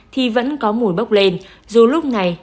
thì vẫn có mùi bốc lên dù lúc này